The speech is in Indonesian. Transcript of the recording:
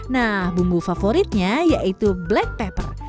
nah bumbu favoritnya yaitu black pepper